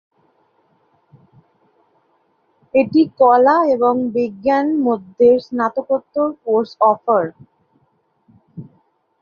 এটি কলা এবং বিজ্ঞান মধ্যে স্নাতকোত্তর কোর্স অফার।